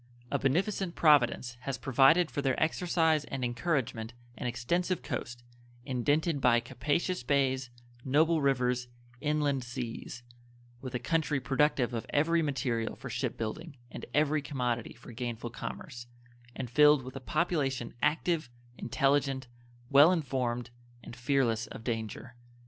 A beneficent Providence has provided for their exercise and encouragement an extensive coast, indented by capacious bays, noble rivers, inland seas; with a country productive of every material for ship building and every commodity for gainful commerce, and filled with a population active, intelligent, well informed, and fearless of danger.